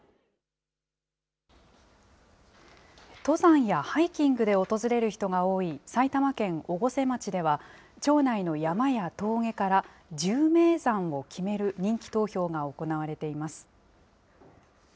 登山やハイキングで訪れる人が多い埼玉県越生町では、町内の山や峠から１０名山を決める人気投票が行われています。